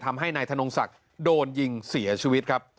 ทำให้นายธนงศักดิ์โดนยิงเสียชีวิตครับ